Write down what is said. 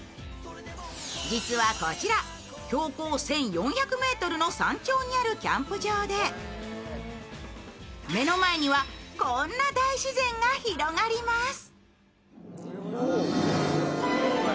実はこちら、標高１４００ｍの山頂にあるキャンプ場で、目の前には、こんな大自然が広がります。